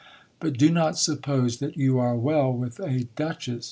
But do not suppose that you are well with a Duchess.